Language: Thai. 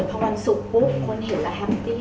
ประวังจะเห็นหน้าไปแฮปตี้